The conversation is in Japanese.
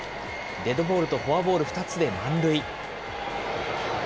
デッドボールとフォアボール２つで満塁。